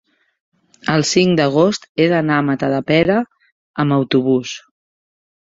el cinc d'agost he d'anar a Matadepera amb autobús.